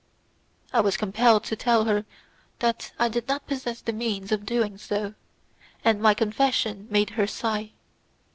I was compelled to tell her that I did not possess the means of doing so, and my confession made her sigh.